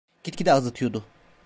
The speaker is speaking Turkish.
Gitgide azıtıyordu.